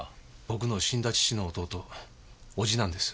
僕の死んだ父の弟叔父なんです。